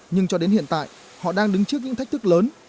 nhưng cho đến hiện tại họ đang đứng trước những thách thức lớn